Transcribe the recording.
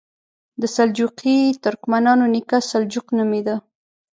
د سلجوقي ترکمنانو نیکه سلجوق نومېده.